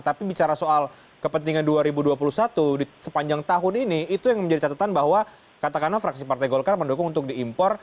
tapi bicara soal kepentingan dua ribu dua puluh satu sepanjang tahun ini itu yang menjadi catatan bahwa katakanlah fraksi partai golkar mendukung untuk diimpor